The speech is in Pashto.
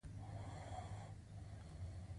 دا برخه په تجربه او قضاوت ولاړه ده.